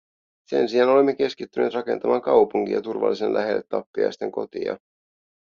Sen sijaan olemme keskittyneet rakentamaan kaupunkia turvallisen lähelle tappiaisten kotia.